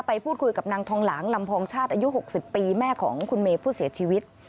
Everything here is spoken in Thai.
ไปพูดคุยกับนางทองหลางลำพองชาติอายุ๖๐ปีแม่ของคุณเมย์ผู้เสียชีวิต